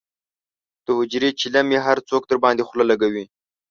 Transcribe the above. د حجرې چیلم یې هر څوک درباندې خله لکوي.